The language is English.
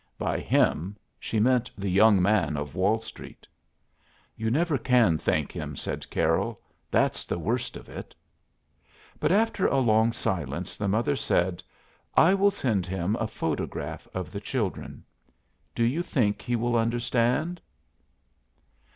By "him" she meant the Young Man of Wall Street. "You never can thank him," said Carroll; "that's the worst of it." But after a long silence the mother said: "I will send him a photograph of the children. Do you think he will understand?"